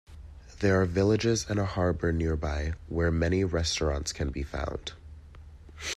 There are villages and a harbour nearby where many restaurants can be found.